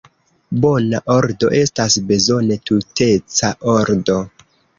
Bona ordo estas bezone tuteca ordo.